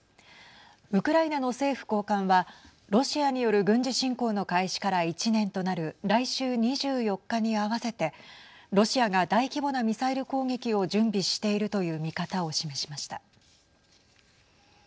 ウクライナの政府高官はロシアによる軍事侵攻の開始から１年となる来週２４日に合わせてロシアが大規模なミサイル攻撃を準備しているという見方を示しました。